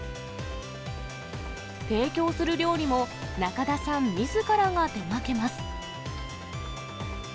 提供する料理も、中田さんみずからが手がけます。